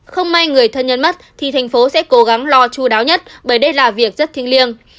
không may người thân nhân mất thì tp hcm sẽ cố gắng lo chú đáo nhất bởi đây là việc rất thiên liêng